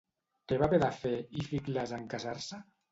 Què va haver de fer Íficles en casar-se?